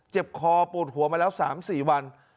เจ็บคอปวดหัวมาแล้ว๓๔วัน